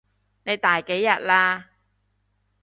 你第幾日喇？